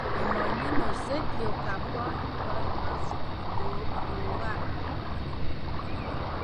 د ماينونو ضد يو کمپاين پر مخ بېوه.